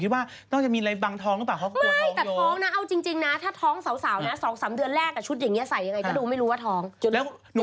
ว่าถ้าไม่ถือ๓เดือนเขาจะไม่พูด